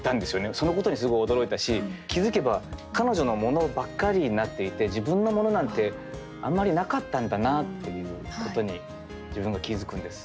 そのことにすごい驚いたし気づけば彼女の物ばっかりになっていて自分の物なんてあんまりなかったんだなっていうことに自分が気づくんです。